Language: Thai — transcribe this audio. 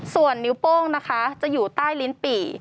ส่วนนิ้วโป้งนะคะจะอยู่ใต้ลิ้นปี่